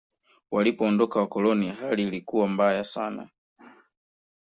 walipoondoka wakoloni hali ilikuwa mbaya sana